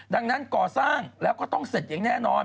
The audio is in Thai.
ดังนั้นก่อสร้างแล้วก็ต้องเสร็จอย่างแน่นอน